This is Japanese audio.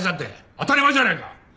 当たり前じゃないか。